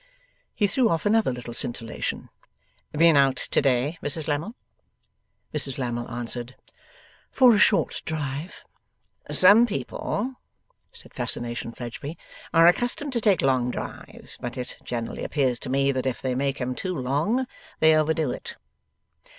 He threw off another little scintillation. 'Been out to day, Mrs Lammle?' Mrs Lammle answered, for a short drive. 'Some people,' said Fascination Fledgeby, 'are accustomed to take long drives; but it generally appears to me that if they make 'em too long, they overdo it.